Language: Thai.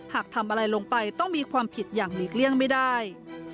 หากทำอะไรลงไปต้องมีความผิดอย่างหลีกเลี่ยงไม่ได้